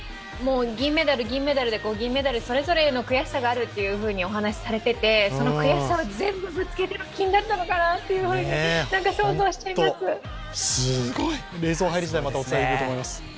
銀メダル、銀メダルで、銀メダルそれぞれへの悔しさがあるとお話しされててその悔しさを全部ぶつけての金だったのかなと想像しちゃいます。